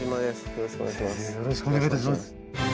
よろしくお願いします。